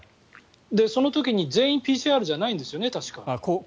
その時に全員ＰＣＲじゃないんですよね？